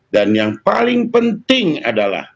yang paling penting adalah